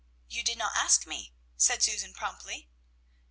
"You did not ask me," said Susan promptly.